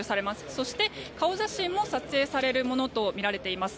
そして顔写真も撮影されるものとみられます。